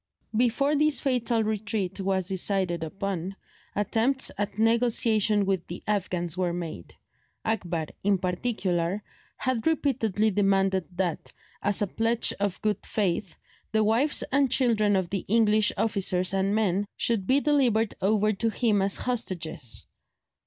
Before this fatal retreat was decided upon, attempts at negotiation with the Afghans were made; Akbar, in particular, had repeatedly demanded that, as a pledge of good faith, the wives and children of the English officers and men should be delivered over to him as hostages.